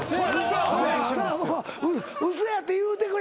嘘やって言うてくれ！